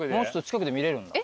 近くで見れるんだ。